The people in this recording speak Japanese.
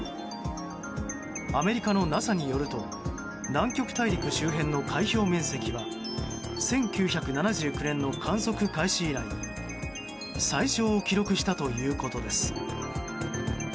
アメリカのＮＡＳＡによると南極大陸周辺の海氷面積は１９７９年の観測開始以来最小を記録したということです。